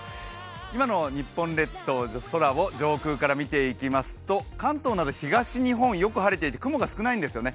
今の日本列島の空を上空から見ていきますと関東など東日本、よく晴れていて雲が少ないんですよね。